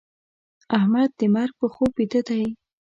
احمد د مرګ په خوب بيده دی.